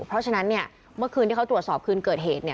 เพราะฉะนั้นเมื่อคืนที่เขาตรวจสอบคืนเกิดเหตุ